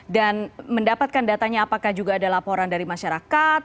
dan mendapatkan datanya apakah juga ada laporan dari masyarakat